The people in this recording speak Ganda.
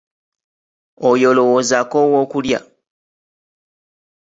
Oyo olowooza akoowa okulya?